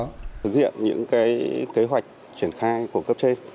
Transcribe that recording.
thực hiện những kế hoạch triển khai của cấp trên